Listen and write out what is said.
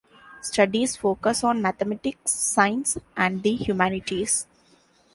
Studies focus on mathematics, science, and the humanities.